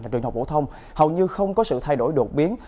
trường học bổ thông hầu như không có sự thay đổi đột biến